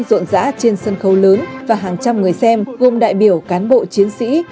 rộn rã trên sân khấu lớn và hàng trăm người xem gồm đại biểu cán bộ chiến sĩ